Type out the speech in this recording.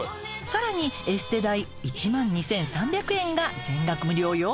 さらにエステ代１万２，３００円が全額無料よ。